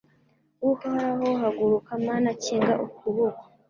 Uhoraho haguruka Mana kinga ukuboko